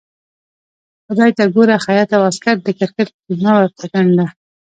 خدای ته ګوره خياطه واسکټ د کرکټ مه ورته ګنډه.